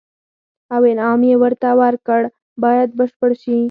او انعام یې ورته ورکړ باید بشپړ شي.